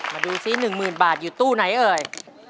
มาดูซิ๑๐๐๐บาทอยู่ตู้ไหนเอ่ย